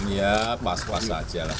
ya pas pas saja lah